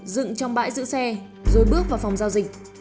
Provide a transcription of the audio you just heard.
dựng trong bãi giữ xe rồi bước vào phòng giao dịch